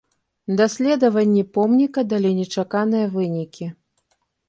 Даследаванні помніка далі нечаканыя вынікі.